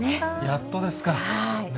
やっとですか。